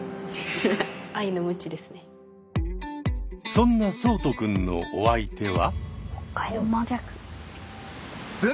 そんな聡人くんのお相手は。